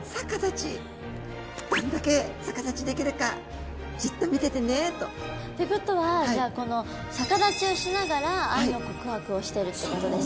「どんだけ逆立ちできるかじっと見ててね」と。ってことはじゃあこの逆立ちをしながら愛の告白をしてるってことですね。